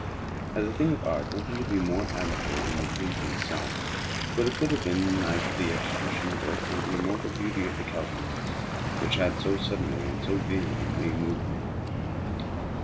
As a thing of art nothing could be more admirable than the painting itself. But it could have been neither the execution of the work, nor the immortal beauty of the countenance, which had so suddenly and so vehemently moved me.